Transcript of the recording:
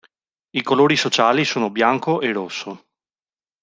I colori sociali sono bianco e rosso.